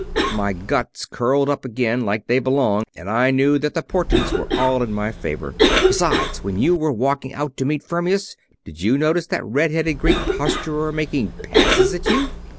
My guts curled up again, like they belong, and I knew that the portents were all in my favor. Besides, when you were walking out to meet Fermius, did you notice that red headed Greek posturer making passes at you?"